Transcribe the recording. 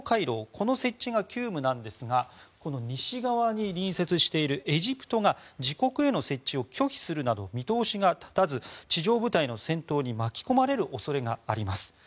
この設置が急務なんですが西側に隣接しているエジプトが自国への設置を拒否するなど見通しが立たず地上部隊の戦闘に巻き込まれる恐れがあります。